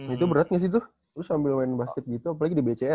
itu berat gak sih tuh sambil main basket gitu apalagi di bca ya